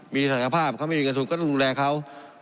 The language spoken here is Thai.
มีศักยภาพเขาไม่มีเงินทุนก็ต้องดูแลเขา